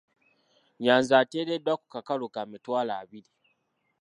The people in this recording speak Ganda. Nyanzi ateereddwa ku kakalu ka mitwalo abiri.